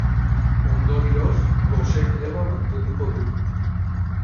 Ondorioz, gose greba mantenduko du.